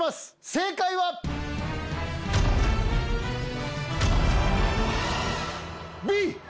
正解は⁉Ｂ！